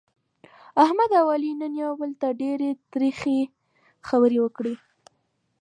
احمد او علي نن یو بل ته ډېرې ترخې خبرې وکړلې.